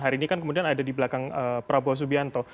hari ini kan kemudian ada di belakang prabowo subianto